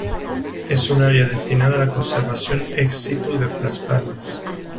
Es una área destinada a la conservación ex situ de palmas.